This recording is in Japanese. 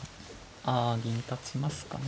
あ銀立ちますかね。